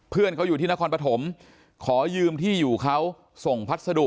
เพื่อนเขาอยู่ที่นครปฐมขอยืมที่อยู่เขาส่งพัสดุ